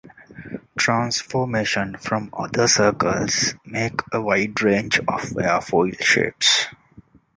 Transformation from other circles make a wide range of airfoil shapes.